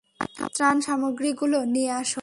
ত্রান সামগ্রীগুলো নিয়ে আসো!